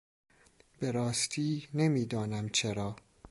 به راستی نمیدانم چرا...